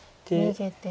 逃げても。